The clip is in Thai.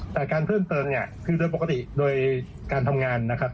แต่การเพิ่มเติมเนี่ยคือโดยปกติโดยการทำงานนะครับ